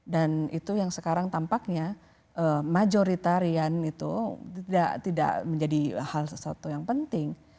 dan itu yang sekarang tampaknya majoritarian itu tidak menjadi hal sesuatu yang penting